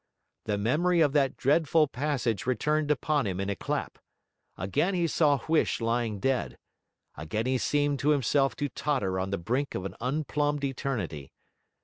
The memory of that dreadful passage returned upon him in a clap; again he saw Huish lying dead, again he seemed to himself to totter on the brink of an unplumbed eternity.